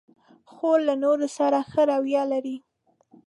خور له نورو سره ښه رویه لري.